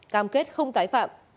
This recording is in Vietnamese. cam kết không tái phạm